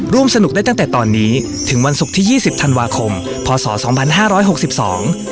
ร่วมสนุกได้ตั้งแต่ตอนนี้ถึงวันศุกร์ที่ยี่สิบธันวาคมพศสองพันห้าร้อยหกสิบสอง